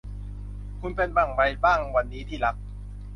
คุณเป็นอย่างไรบ้างวันนี้ที่รัก